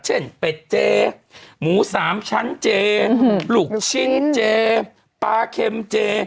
เป็ดเจหมูสามชั้นเจลูกชิ้นเจปลาเข็มเจ